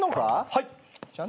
はい。